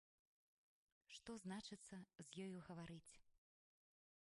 Што, значыцца, з ёю гаварыць!